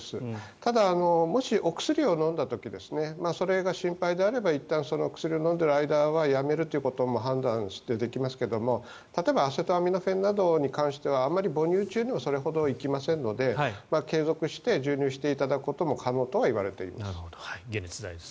ただ、もしお薬を飲んだ時にそれが心配であればいったん、薬を飲んでいる間はやめるということも判断できますが、例えばアセトアミノフェンに関してはあまり母乳中にもそれほど行きませんので継続して授乳していただくことも可能だといわれています。